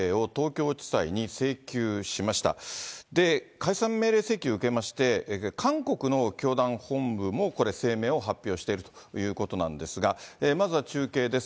解散命令請求を受けまして、韓国の教団本部も、これ、声明を発表しているということなんですが、まずは中継です。